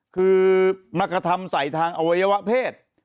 คือมรรคธรรมใส่ทางอวัยวะเพศ